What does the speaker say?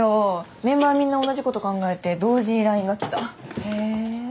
メンバーみんな同じこと考えて同時にＬＩＮＥが来たへえー